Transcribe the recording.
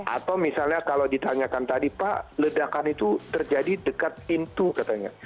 atau misalnya kalau ditanyakan tadi pak ledakan itu terjadi dekat pintu katanya